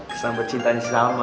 ya sumpet cinta sama